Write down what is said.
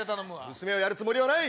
娘をやるつもりはない。